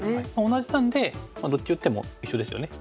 同じなんでどっち打っても一緒ですよね。